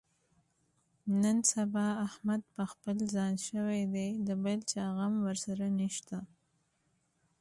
نن سبا احمد په خپل ځان شوی دی، د بل چا غم ورسره نشته.